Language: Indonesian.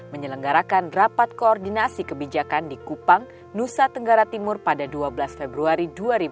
menyelenggarakan rapat koordinasi kebijakan di kupang nusa tenggara timur pada dua belas februari dua ribu dua puluh